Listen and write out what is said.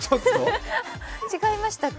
違いましたっけ？